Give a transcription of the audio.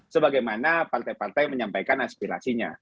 sebagaimana partai partai menyampaikan aspirasinya